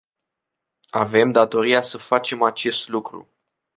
Avem datoria să facem acest lucru.